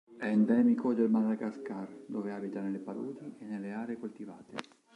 È endemico del Madagascar, dove abita nelle paludi e nelle aree coltivate.